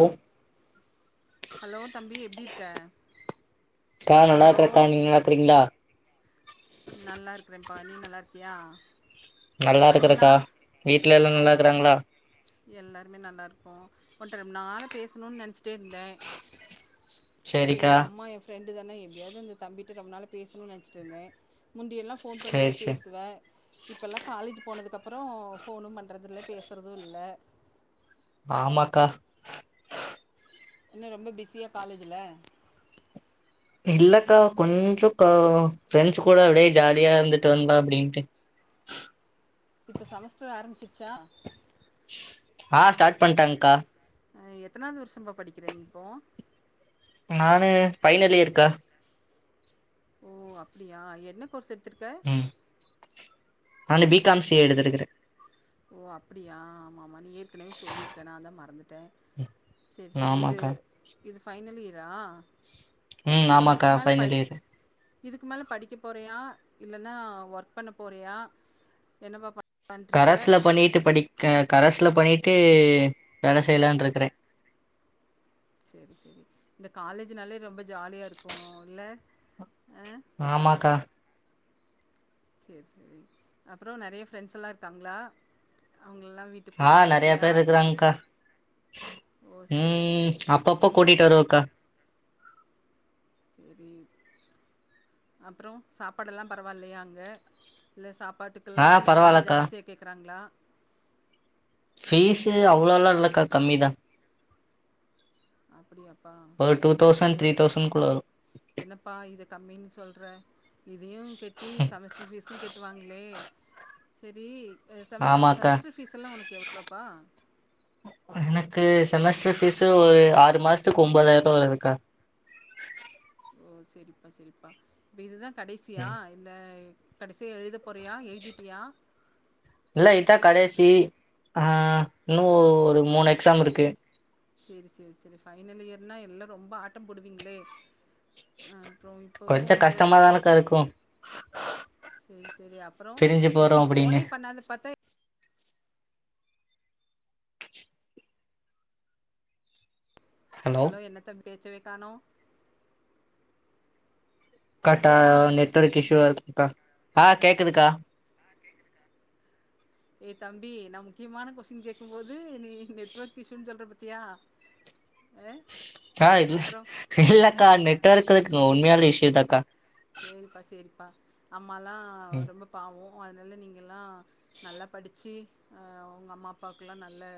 ஓ அ ஹலோ தம்பி எப்டி இருக்க கா நல்லா ஹலோ இருக்கறக்கா நீங்க நல்லாக்கறீங்களா நல்லா இருக்கறப்பா நீ நல்லா இருக்கியா நல்லா ரொம்ப இருக்குறக்கா நாள் வீட்ல எல்லா நல்லா இருக்கறாங்களா எல்லாருமே நல்லா இருக்கோ ஒன்ட ரொம்ப நாளா பேசணுன்னு நெனச்சிட்டே இருந்தே செரி சரிக்கா உங்க அம்மா என் ஃப்ரெண்டு தானே எப்டியாவது இந்த தம்பிட்ட ரொம்பநாளா பேசணும்னு நெனைச்சிட்டு இருந்தேன் முந்தியெல்லா ஃபோன் பண்ணுவ சரி சரி பேசுவ இப்பல்லா காலேஜ் போனதுக்கப்புறோ ஃபோனும் பண்றது இல்ல பேசறதூ இல்ல ஆமாக்கா என்ன ரொம்ப பிஸியா காலேஜில இல்லக்கா கொஞ்சம் கா ஃப்ரெண்ட்ஸ் கூட அப்டியே ஜாலியா இருந்துட்டு வந்தா அப்டின்ட்டு இப்ப செமஸ்டர் ஆரம்பிச்சுருச்சா ஆ ஸ்டார்ட் பண்ட்டாங்க்கா எத்தனாவது வருஷ பா படிக்கிற நீ இப்போ நானு ஃபைனல் இயர் கா ஓ அப்டியா என்ன கோர்ஸ் எடுத்திருக்க நான் பி காம் சி ஏ எடுத்துருக்கிறேன் ஓ அப்டியா ஆமா ஆமா நீ ஏற்க ஏற்கனவே சொல்லியிருக்கே நான் தான் மறந்துட்டேன் செரி செரி இது ஆமாக்கா இது ஃபைனல் இயரா ம் சரி ஆமாக்கா இதுக்கு மேலே ப ஃபைனல் இயர் இதுக்கு மேல படிக்க போறியா இல்லன்னா ஒர்க் பண்ண போறியா என்ன பா கரஸ்ல பண்ணிட்டு படி கரஸ்ல பண்ணிட்டு வேல செய்யலான்னு இருக்கற சரி சரி இந்த காலேஜ்னாலே ரொம்ப ஜாலியா இருக்கு இல்ல ஆ ஆமாக்கா செரி செரி அப்றம் நெறைய ஃப்ரெண்ட்ஸ்ல்லாம் இருக்காங்களா அவங்களல்லாம் வீட்டு ஆ நெறைய பேர் இருக்கறாங்க்கா ஓ சரி ம் சரி அப்பப்பா கூட்டிட்டு வருவேன் கா சரி அப்றோ சாப்பாடெல்லா பரவால்லையா அங்க இல்ல சாப்பாட்டு ஆ அங்கலாம் பீஸ் ரொம்ப பரவால்லக்கா ஜாஸ்தியாக கேக்றாங்களா ஃபீஸ் அவ்வளோலா இல்லக்கா கம்மி தா அப்படியாப்பா ஒரு டூ தௌசண்ட் சரி த்ரீ தௌசண்ட் குள்ள வரு என்னப்பா இத கம்மின்னு சொல்ற இதையும் கெட்டி செமஸ்டர் ஃபீஸும் கெட்டுவாங்களே செரி செமட்ட ஆமாக்கா செமஸ்டர் ஃபீஸ்லா உனக்கு எவ்ளோப்பா எனக்கு செமஸ்டர் ஃபீஸு ஒரு ஆறு மாசத்துக்கு ஒன்பதாயிருவா வரு க்கா ஓ செரிப்பா செரிப்பா இப்ப இதுதான் கடைசியா ம் இந்த கடைசியா எழுத போறியா எழுதிட்டியா இல்ல இதா கடைசி ஆ இன்னு ஒரு மூணு எக்ஸாம் இருக்கு செரி செரி செரி ஃபைனல் இயர்னா எல்லாம் ரொம்ப ஆட்டம் போடுவீங்களே அய்ம்ப்ரோவிங் கொஞ்சம் கஷ்டமாதானேக்கா இருக்கும் சேரி சேரி அப்றோ இல்ல நீ அப்டின்னு ஃபோனே பண்ணாத பாத்தா ஹலோ என்னத்த பேச்சவே கானோ டாட்டா நெட்ஒர்க் இஷீவா இருக்குங்கா ஆ கேக்குது கா ஆ கேக்குதுக்கா ஏ தம்பி நா முக்கியமான கொஸ்டின் கேட்கும்போது நீ நெட்ஒர்க் இஷுன்னு சொல்ற பாத்தியா அ ஆ இல் அப்புறோ இல்லக்கா நெட்வர்க்கு உண்மயாலே இஷீதாக்கா சேரிப்பா சேரிப்பா அம்மாலா ம் ரொம்ப பாவோ அதனால நீங்கல்லா நல்லா படிச்சி அ உங்க அம்மா அப்பாவுக்குல்லா நல்ல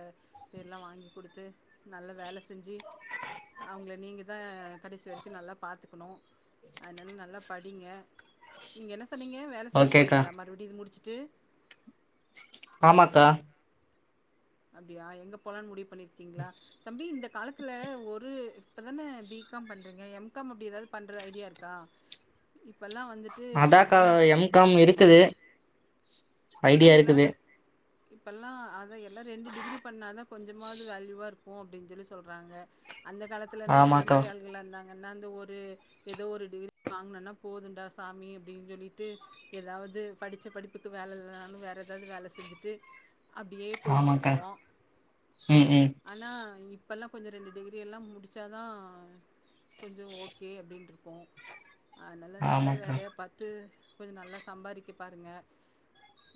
பேர்லா வாங்கி குடுத்து நல்லா வேல செஞ்சி அவுங்கள நீங்க தா கடைசி வரைக்கோ நல்லா பாத்துக்கணோ அதனா நல்லாப் படிங்க நீங்க என்ன சொன்னீங்க வேல செய்ய ஓகேக்கா போறீங்ளா மறுபடியு இது முடிச்சுட்டு ஆமாக்கா அப்டியா எங்க போலான் முடிவு பண்ணிருக்கீங்ளா தம்பி இந்த காலத்துல ஒரு இப்பதானே பி காம் பண்றீங்க எம் காம் அப்டி ஏதாது பண்ற ஐடியா இருக்கா இப்பல்லா வந்துட்டு அதாக்கா என்ன எம் காம் இருக்குது இப்பல்லா ஐடியா எல்லாரு இருக்குது இப்பல்லா அதா எல்லாரு ரெண்டு டிகிரி பண்ணாதா கொஞ்சமாது வேல்யூவா இருக்கோ அப்டின்னு சொல்லி சொல்றாங்க அந்த காலத்துலல்லா எங்கள ஆமாக்கா மாரி ஆளு இதுல இருந்தாங்கன்னா அந்த ஒரு ஏதோ ஒரு டிகிரி வாங்குனோனா போதுடா சாமி அப்டின் சொல்லிட்டு ஏதாவது படிச்ச படிப்புக்கு வேல இல்ல நாலு வேற ஏதாது வேல செஞ்சுட்டு அப்டியே போய்கிட்டு ஆமாக்கா இருப்போ ம் ம் ஆனா இப்போல்லா கொஞ்சோ ரெண்டு டிகிரி எல்லா முடிச்சாதா கொஞ்சோ ஓகே அப்டின்டிருக்கோ அதனால நல்ல ஆமாக்கா வேலயா பாத்து கொஞ்சோ நல்லா சம்பாரிக்க பாருங்க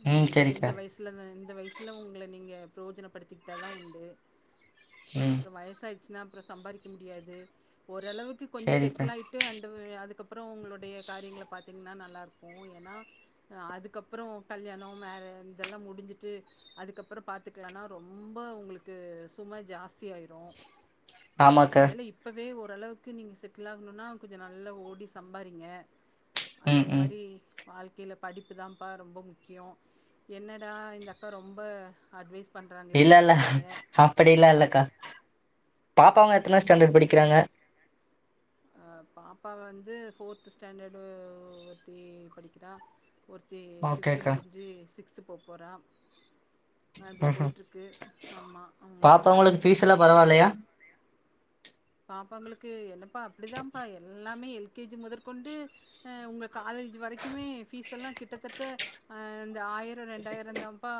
ம் இந்த வயசுலதா இந்த வயசுல ஒங்கள நீங்க ப்ரோஜனப் படுத்திகிட்டாதா உண்டு ம் அப்றோ வயசாயிடுச்சுனா அப்றோ சம்பாரிக்க முடியாது ஓரளவுக் கு கொஞ்சோ செரிக்கா செட்டில் ஆயிட்டு அண்ட அதுக்கப்பு அப்றோ உங்களுடைய காரியங்கள பாத்தீங்கன்னா நல்லாருக்கோ ஏன்னா அதுக்கப் அப்றோ கல்யாணோ மேர இதெல்லா முடிஞ்சிட்டு அதுக்கப்றோ பாத்துக்கலனா ரொம்ப உங்களுக்கு சும ஜாஸ்தி ஆயிறு ஆமாக்கா அதனால இப்பவே ஓரளவுக்கு நீங்க செட்டில் ஆகணோனா கொஞ்சோ நல்லா ஓடி சம்பாரிங்க அதே ம் ம் மாரி வாழ்க்கைல படிப்புதா பா ரொம்ப முக்கியோ என்னடா இந்த அக்கா ரொம்ப அட்வைஸ் பண்றாங்களேன்னு நெனைக்காதீங்க படிலா இல்லக்கா பாப்பாங்க எத்தன ஸ்டாண்டர்ட் படிக்கிறாங்க பாப்பா வந்து ஃபோர்து ஸ்டாண்டர்டு ஒருத்தி படிக்கிறா ஒருத்தி ஃபிஃப்த்து ஓகேக்கா முடிஞ்சி சிக்ஸ்த்து போ போறா ஆ அப்டி ம்ஹும் போயிட்ருக்கு ஆம்மா அவுங்கள பாப்பாங்களுக்கு சமாளிக்கிறது ஃபீஸ் கொஞ்சோ எல்லா பரவால்லையா கஷ்டோந்தா பாப்பாங்களுக்கு என்னப்பா அப்டிதாம்பா எல்லாமே எல் எல் கே ஜி முதற்கொண்டு அ உங்க காலேஜ் வரைக்குமே ஃபீஸ் எல்லா கிட்டத்தட்ட ஆ இந்த ஆயிரோ ரெண்டாயிரோ தா பா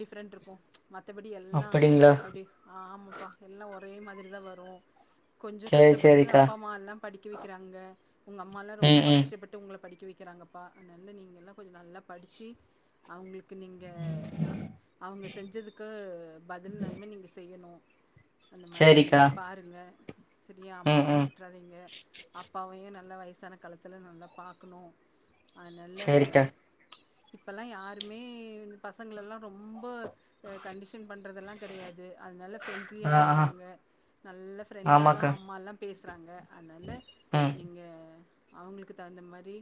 டிஃப்ரெண்ட் இருக்கோ மத்தபடி எல்லா அப்படிங்களா அப்டி ஆ ஆமாப்பா எல்லா ஒரே மாரி தா வரோ கொஞ்சோ சேரி கஷ்டப்பட்டு சேரிக்கா அப்பா அம்மாலா படிக்க வெக்குறாங்க உங்க அம்மாலா ம் ரொம்ப ம் கஷ்டப்பட் பட்டு உங்கள படிக்க வெக்கறாங்கப்பா அதனால நீங்க எல்லா கொஞ்சோ நல்லா படிச்சி அவுங்களுக்கு நீங்க அவுங்க செஞ்சதுக்கு பதில் நன்ம நீங்க செய்யணோ அந்த மாரி சேரிக்கா பாருங்க செரியா ம் அம்மாவலா ம் விட்றாதீங்க அப்பாவையு நல்ல வயசான காலத்துல நல்லா பாக்கணு அதனால சேரிக்கா இப்பல்லா யாருமே இந்த பசங்களெல்லா ரொம்ப கண்டிஷன் பண்றதெல்லாம் கெடையாது அதனால ஃபிரெண்ட் க்ளயதா ஆ ஆ இர்க்காங்க நல்ல ஃப்ரெண்டா தா ஆமாக்கா அம்மாலா பேஸ்றாங்க அதனால ம் நீங்க அவுங்குளுக்கு தகுந்த மாரி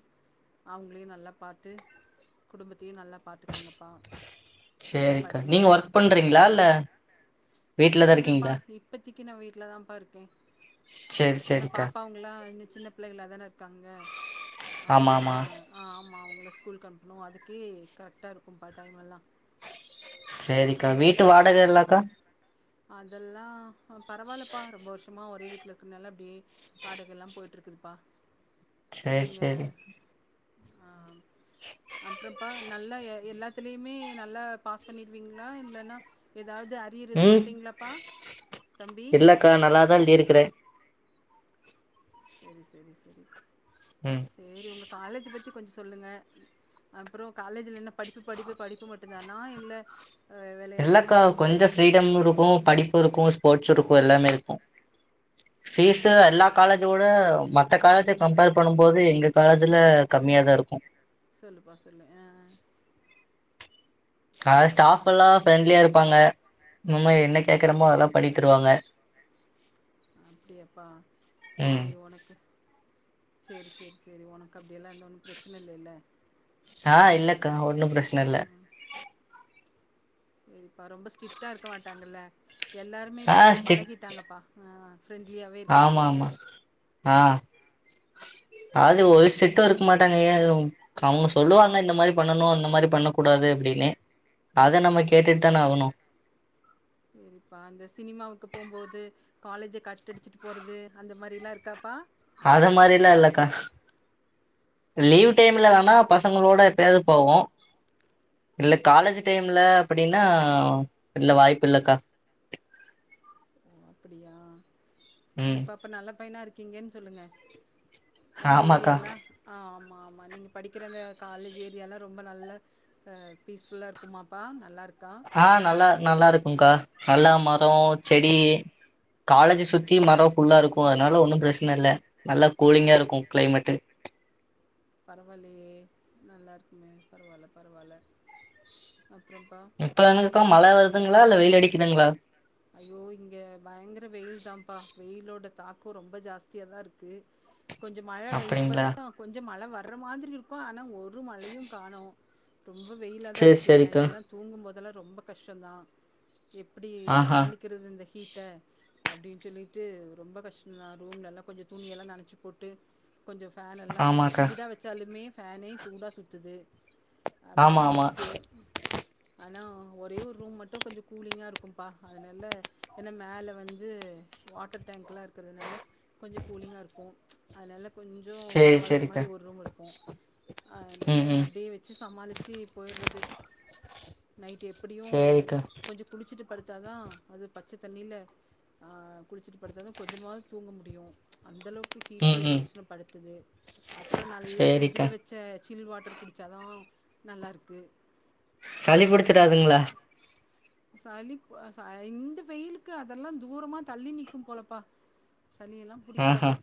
அவுங்குளியும் நல்லா பாத்து குடும்பத்தியு நல்லா பாத்துக்கோங்கப்பா நல்லா சேரிக்கா படிங்க நீங்க ஒர்க் பண்றீங்களா இல்ல வீட்லதா இல்லப்பா இருக்கீங்களா இப்பத்திக்கு நா வீட்ல தா பா இருக்கே சேரி என்ன பாப்பாவுங்களலாம் இன்னு சேரிக்கா பாப்பாவுங்களா இன்னும் சின்ன பிள்ளைகளா தான இருக்காங்க ஆமா ஆமா அவுங்களலா ஆ ஆம்மா அவுங்கள ஸ்கூலுக்கு அனுப்ணும் அதுக்கே கரெக்டா இருக்கும்ப்பா டைம் எல்லாம் செரிக்கா வீட்டு வாடக எல்லாக்கா அதெல்லா பரவால்லப்பா ரொம்ப வர்ஷமா ஒரே வீட்லருக் அன்னால அப்டே வாடகல்லா போய்ட்ருக்குதுப்பா சேரி நீங்க சேரி ஆ அம் அப்றொம்ப்பா நல்லாஎ எல்லாத்துலியுமே நல்லா பாஸ் பண்ணீர்வீங்ளா இல்லன்னா ஏதாவது அ ம் தம்பி இல்லக்கா நல்லாதான் எழுதிருக்கற செரி செரி செரி ம் செரி உங்க காலேஜ் பத்தி கொஞ்சோ சொல்லுங்க அம்ப்றோ காலேஜ்லன்ன படிப்பு படிப்பு படிப்பு மட்டு்தானா இல்ல அ வெளையாட்டு ஸ்போட்ஸு ஜம் இருக்கு படிப் இருக்கு ஸ்போட்ஸ் இருக்கு எல்லாமே இருக்கு [inaudible] ஃபீஸ்சு எல்லா காலேஜ்வுட மத்த காலேஜ்ஜ கம்பேர் பண்ணும்போது எங்க காலேஜ்ல கம்மியாக தா இருக்கும் சொல்லுப்பா சொல்லு அஆ கா ஸ்டாஃப்ஃபல்லா ஃப்ரெண்ட்லியா இருப்பாங்க நம்ம என்ன கேக்கறமோ அதெல்லா பனித்தருவாங்க அப்டியாப்பா ம் சேரி ஒனக்கு செர் செர் செரி உனக்கு அப்டியெல்லா இந்த ஒன்னு ப்ரச்சின இல்லேல்ல சா இல்லக்கா ஒன்னு ப்ரஷ்னல்ல எரிப்பா ரொம்ப ஸ்டிட்டா இருக்க வாட்டாங்கல்ல எல்லாருமே ஆ இப்ப அப்டி ஸ்டிட் பழகிட்டாங்கப்பா ஆ ஃப்ரெண்ட்லி ஆமா ஆமா ஆ அது ஒரு சேரி செட்டும் இருக்கு மா தனியா எழுதுவோம் அவுங்க சொல்லுவாங்க இந்த மாரி பண்ணணும் அந்த மாரி பண்ணக் கூடாது அப்டின்னு அத நம்ம கேட்டுட்டு தானே ஆகணும் சேரிப்பா அந்த சினிமாவுக்கு போம்போது காலேஜ்ஜ கட்ட அடிச்சிட்டு போறது அந்த மாரிலா இருக்காப்பா அதமாரிலா இல்லக்கா லீவு டைம்ல வேணா பசங்களோட எப்யாவது போவோம் இல்ல காலேஜ் டைம்ல அப்டின்னா இல்ல வாய்ப்பு இல்லக்கா ஓ அப்டியா ம் செரிப்பா அப்ப நல்ல பைனா இருக்கீங்கனு சொல்லுங்க உங்க ஆமாக்கா ஏரியால்லா ஆ ஆமா ஆமா நீங்க படிக்கிற அந்த காலேஜ் ஏரியால்ல ரொம்ப நல்ல பீஸ் ஃபுல்லா இருக்குமாப்பா நல்லாருக்கு ஆ நல்லா நல்லா இருக்கேக்கா நல்லா ம் மரோ செடி காலேஜு சுத்தி மரோ ஃபுல்லா இருக்கு அத்னால ஒன்னு ப்ரஷ்னல்ல நல்லா கூலிங்கா இருக்கு க்லைமேட்டு பரவாயில்லயே நல்லாருக்குமே பரவால்ல பரவால்ல அப்றம்ப்பா இப்ப தானங்கக்கா மழ வருதுங்களா இல்ல வெயில் அடிக்குதுங்களா ஐயோ இங்க பயங்கர வெயில் தாம்ப்பா வெயிலோட தாக்கோ ரொம்ப ஜாஸ்தியா தா இருக்கு கொஞ்சோ மழ அப்டிங்களா இப்பதா கொஞ்சோ மழ வர்ற மாதிரி இருக்கு ஆனா ஒரு மழயு காணோ ரொம்ப வெயிலா தா சேரி இருக்கு சேரிக்கா நைட்டெல்லா தூங்கு போதெல்லா ரொம்ப கஷ்டோந்தா எப்டி ஆஹா கிறது இந்த ஹீட்ட அப்டின் சொல்லிட்டு ரொம்ப கஷ்டொ தா ரூம்லெல்லா கொஞ்சொ துணியெல்லா நனச்சி போட்டு கொஞ்சொ ஃபேன் எல்லா கொஞ்சொ ஆமாக்கா ஸ்பீடா வச்சாலுமே ஃபேனே சூடா சுத்துது ஆமா அப்டிதா ஆமா இருக்கு ஆனா ஒரே ஒரு ரூம் மட்டு கொஞ்சோ கூலிங்கா இருக்கும்ப்பா அதனால ஏன்னா மேல வந்து வாட்டர் டேங்க்லா இருக்கிறதுனால கொஞ்சோ கூலிங்கா இருக்கு அதனால கொஞ்சோ சேரி பரவாயில்லாத சேரிக்கா மாதிரி ஒரு ரூம் இருக்கு அதனால ம் ம் அப்டியே வச் ச்சு சமாளிச்சு போயிட்றது நைட் எப்டியு சேரிக்கா கொஞ்சோ குளிச்சுட்டு படுத் ததா அது பச்ச தண்ணில ஆ குளிச்சிட்டு படுத்தா தான் கொஞ்சமாவது தூங்க முடியு அந்தளவுக் க்கு ஹீட்டு ம் ம் மனுஷனப் படுத்துது அப்றோ நல்லா சேரிக்கா ஃபிரிட்ஜ்ல வச் ச சில் வாட்டர் குடிச்சா தா நல்லாயிருக்கு சளி பிடிச்சிடாதுங்களா சளிப் போ ச இந்த வெயிலுக்கு அதெல்லா தூரமா தள்ளி நிக்கும் போலப்பா சளியெல்லா ஆஹா புடிக்காது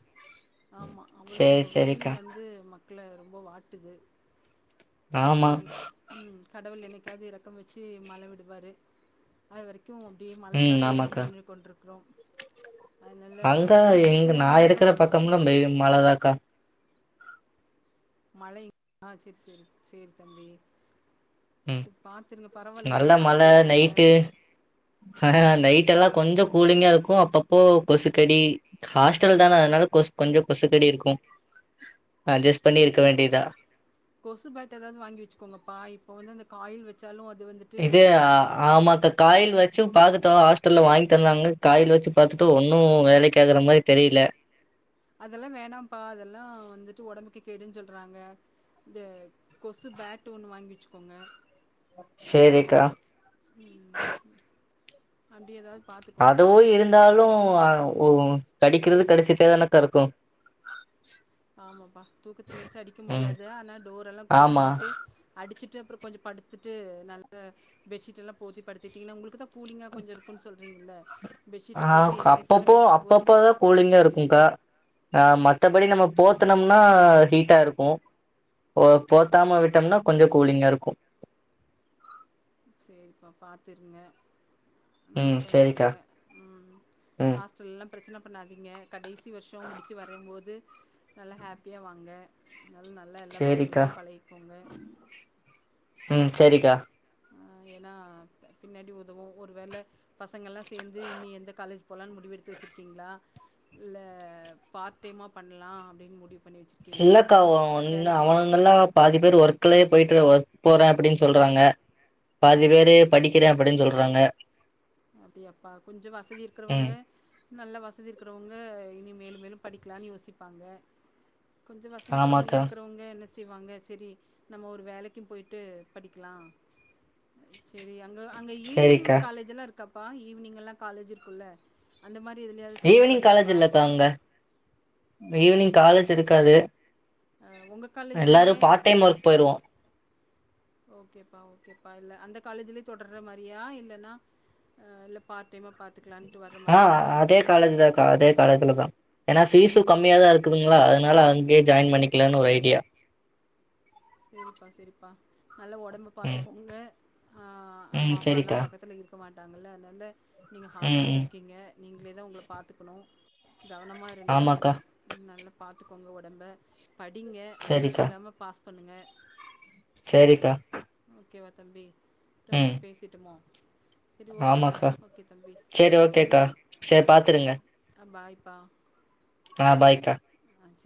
ஆமா அவ்ளோ சேரி வெயில் சேரிக்கா வந் வந்து மக்கள ரொம்ப வாட்டுது ஆமா செரி ம் கடவுள் என்னைக்காவது எரக்கம் வச்சு மழ விடுவாரு அது வரைக்கு அப்டியே மழக்காக ம் ஏங்கி ஆமாக்கா நின்னு கொண்டிருக்கறோ அங்கா இங்க நா இருக்குற பக்கம்லா டெய்லியு மழதாக்கா மழைங் ஆ சேரி சேரி சேரி தம்பி ம் சரி பாத்து இருங்க பரவாயில்ல நல்ல நீங்க எல்லா குடுத்து வச்சவுங்க ஹ ஹ நைட் எல்லா கொஞ்சோ கூலிங்கா இருக்கு அப்பப்போ கொசுக்கடி ஹாஸ்டல் தான அதனால கொஸ் கொஞ்சோ கொசுக்கடி இருக்கும் சேரி கொசு பேட்டு ஏதாவது வாங்கி வச்சுக்கோங்கப்பா இப்போ வந்து அந்த காயில் வச்சாலு அது வந்து இத அ ஆமாக்கா காயில் வச்சு பாத்துட்டோ ஹாஸ்டல்ல வாங்கித் தந்தாங்க காயில் வச்சு பார்த்துட்டு ஒன்னு வேலைக்கு ஆகுற மாதிரி தெரியல அதெல்லா வேணாம்ப்பா அதெல்லா வந்துட்டு ஒடம்புக்கு கேடுன்னு சொல்றாங்க இத கொசு பேட்டு ஒன்னு வாங்கி வச்சுக்கோங்க சேரிக்கா ம் அப்டி எதாவது அதுவு இருந்தாலு அ ஒ கடிக்கிறது கடிச்சிட்டே தானேக்கா இருக்கு ஆமாப்பா தூக்கத்துல எந்த்ருச்சு அடிக்க ம் முடியாது ஆனா டோர் எல்லா குளோஸ் ஆமா பண்ணிட்டு அடிச்சிட்டு அப்றோ கொஞ்சோ படுத்துட்டு நல்ல பெட்ஷீட்டெல்லா போத்தி படுத்துட்டிங்கன்னா உங்களுக்கு தா கூலிங்கா கொஞ்சோ இருக்குன்னு சொல்றீங்கல்ல பெட்ஷீட்ட ஆ போத்தி கா நைஸான அப்பப்போ பெட்ஷீட்ட அப்பப்ப போத்தி தா கூலிங்கா இருக்கும்க்கா ஆ மத்தபடி நம்ம போத்துனோம்னா ஹீட்டா இருக்கு ஓ போத்தாம விட்டோம்னா கொஞ்சோ கூலிங்கா இருக்கு சேரிப்பா பாத்து இருங்க நல்ல ம் பையனா சேரிக்கா இருங்க ம் ம் ஹாஸ்டல்லலா பிரச்சன பண்ணாதீங்க கடைசி வருஷொ முடிச்சு வரேம் போது நல்லா ஹாப்பியாக வாங்க அதனால நல்லா எல்லா சேரிக்கா பசங்கள்ட்டையு பழகிக்கோங்க ம் சேரிக்கா ஆ ஏன்னா பின்னாடி உதவு ஒரு வேள பசங்க எல்லா சேந்து இனி எந்த காலேஜ் போலானு முடிவெடுத்து வச்சுருக்கீங்களா ல்ல பார்ட் டைமா பண்ணலா அப்டீன்னு முடிவு பண்ணி வச்சு இல்லக்கா [unintelligible] ஓ ஒண்ணு அவனுங்கெல்லா பாதி பேர் ஒர்க்லயே போயிட்டு ஒர்க் போற அப்டீன்னு சொல்றாங்க பாதி பேர் து படிக்குற அப்டீன்னு சொல்றாங்க அப்டியாப்பா கொஞ்சோ வசதி ம் இருக்குறவுங்க நல்லா வசதி இருக்கறவங்க இனி மேலும் மேலும் படிக்கலான்னு யோசிப்பாங்க கொஞ்சோ வசதி கம்மியா ஆமாக்கா இருக்குறவங் ஏ என்ன செய்வாங்க செரி நம்ம ஒரு வேலக்கும் போய்ட்டு படிக்லா செரி அங்க அங்க ஈவினிங் சேரிக்கா காலேஜ் எல்லா இருக்காப்பா ஈவினிங் எல்லா காலேஜ் இருக்குல்ல அந்த மாரி எதுலயாது ஈவினிங் காலேஜ் இல்லக்கா அங்க ஈவினிங் சரி காலேஜ் இருக்காது உங்கள் எல்லாரு காலேஜ்லேயே பார்ட் டைம் ஒர்க் போயிருவோ ஓகேப்பா ஓகேப்பா இல்ல அந்த காலேஜ்லயே தொடர்ற மாரியா இல்லன்னா ஆ இல்ல பார்ட் டைமா பாத்துக்கலான்ட்டு வர ஆ மாதிரியா அதே காலேஜ் தா கா அதே காலேஜ்ல தா ஏன்னா ஃபீஸு கம்மியா தா இருக்குதுங்ளா அதனால அங்கேயே ஜாயின் பண்ணிக்கலான்னு ஒரு ஐடியா சேரிப்பா செரிப்பா நல்லா உடம்ப ம் பாத்துக்கோங்க ஆ அம்மா ம் அப்பல்லா சேரிக்கா பக்கத்துல இருக் மாட்டாங்கல்ல அதனால நீங்க ம் ஹாஸ்டல்ல ம் இருக்கீங்க நீங்களே தா உங்கள பாத்துக்கணு கவனமா இருங்க ஆமாக்கா ம் நல்லா பாத்துக்கோங்க ஒடம்ப படிங்க அரியர் இல்லாம பாஸ் பண்ணுங்க சேரி கா ஓகேவா தம்பி ம் ரொம்பநேர் பேசீட்டமோ சரி ஓகேடா ஆமாக்கா ஓகே தம்பி சேரி வெக்கட்டுங்களா ஓகேக்கா சேரி பாத்துருங்க ஆ பாய்பா ஆ பாய் கா ஆ சே